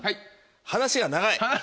「話が長い」